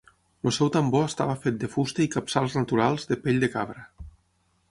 El seu tambor estava fet de fusta i capçals naturals de pell de cabra.